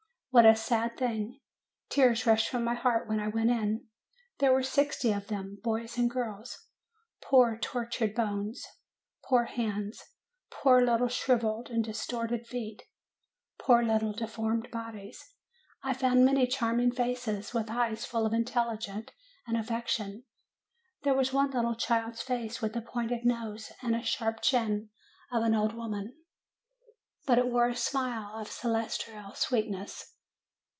What a sad thing! Tears rushed from my heart when I went in. There were sixty of them, boys and girls. Poor tortured bones ! Poor hands, poor little shrivelled and distorted feet! Poor little deformed bodies! I found many charming faces, with eyes full of intelligence and affection. There was one little child's face with the pointed nose and sharp chin of an old woman ; but it wore a smile of celestial sweetness.